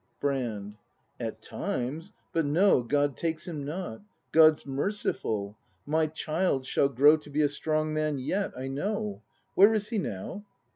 Brand. At times. But no, God takes him not! God's merciful! My child shall grow To be a strong man yet, I know. Where is he now